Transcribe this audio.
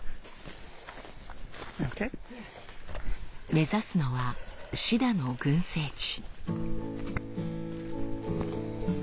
目指すのはシダの群生地。